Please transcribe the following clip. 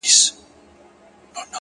ما اورېدلي چي له مړاوو اوبو سور غورځي”